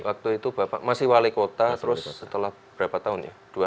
waktu itu bapak masih wali kota terus setelah berapa tahun ya